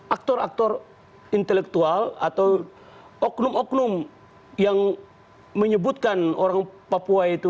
aktor aktor intelektual atau oknum oknum yang menyebutkan orang papua itu